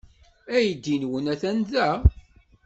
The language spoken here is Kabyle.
Aydi-nwen atan da.